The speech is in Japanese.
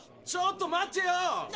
ちょっと待ってよ。